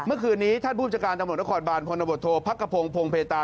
เมื่อคืนนี้ท่านผู้จัดการจังหวัดขอดบาลพรณบทโทษพักกะโพงโพงเพตา